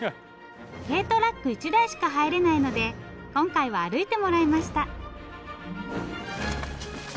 軽トラック１台しか入れないので今回は歩いてもらいました。